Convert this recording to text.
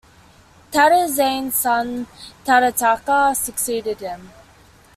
Tadazane's son Tadataka succeeded him.